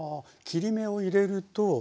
切り目を入れると。